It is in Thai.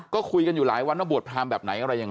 ก็คุยกันอยู่หลายวันว่าบวชพรามแบบไหนอะไรยังไง